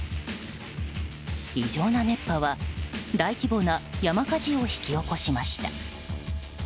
異常な熱波は、大規模な山火事を引き起こしました。